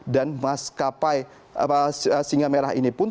dan mas kapai singa merah ini pun